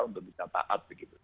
untuk bisa taat begitu